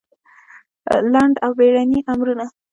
لنډ او بېړني امرونه